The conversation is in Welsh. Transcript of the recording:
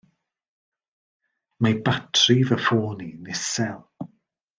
Mae batri fy ffôn i'n isel.